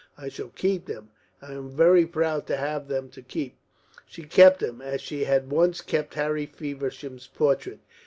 I shall keep them. I am very proud to have them to keep." She kept them, as she had once kept Harry Feversham's portrait.